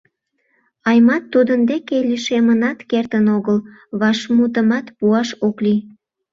Аймат тудын деке лишемынат кертын огыл, вашмутымат пуаш ок лий.